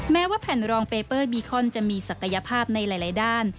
แม้ว่าแผ่นรองเปเปอร์บีคอนจะมีศักยภาพในหลายด้าน